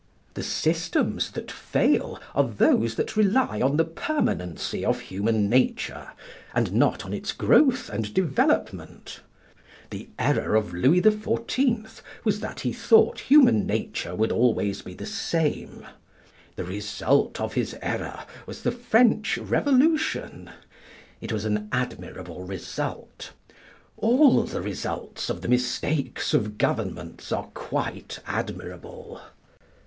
The systems that fail are those that rely on the permanency of human nature, and not on its growth and development. The error of Louis XIV. was that he thought human nature would always be the same. The result of his error was the French Revolution. It was an admirable result. All the results of the mistakes of governments are quite admirable.